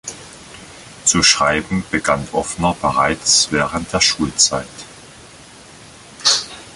Zu schreiben begann Ofner bereits während der Schulzeit.